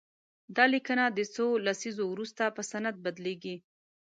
دا لیکنه د څو لسیزو وروسته په سند بدليږي.